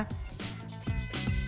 terima kasih banyak